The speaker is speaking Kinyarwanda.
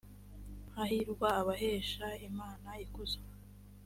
hahirwa abahesha imana ikuzo